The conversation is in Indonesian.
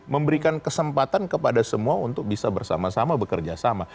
memberikan kesempatan kepada semua untuk bisa bersama sama bekerja sama